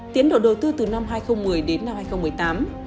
tiến độ đầu tư từ năm hai nghìn một mươi đến năm hai nghìn một mươi tám